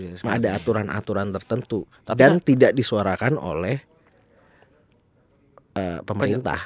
memang ada aturan aturan tertentu dan tidak disuarakan oleh pemerintah